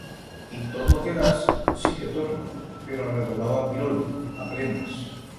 Y tot lo que das... sí que torna... pero redoblau a pirol, a plenas.